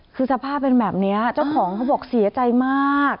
คือสภาพเป็นแบบนี้เจ้าของเขาบอกเสียใจมาก